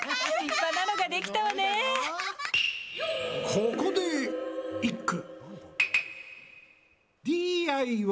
ここで一句。